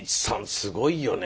すごいよね。